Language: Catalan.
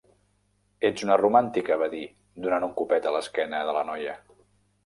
"Ets una romàntica", va dir, donant un copet a l'esquena de la noia.